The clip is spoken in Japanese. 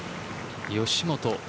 吉本。